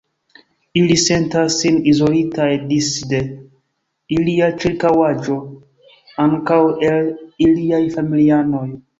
Ili sentas sin izolitaj disde ilia ĉirkaŭaĵo, ankaŭ el iliaj familianoj.